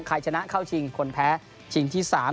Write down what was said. ชนะเข้าชิงคนแพ้ชิงที่๓